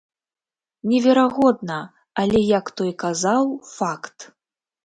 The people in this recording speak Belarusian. Неверагодна, але, як той казаў, факт.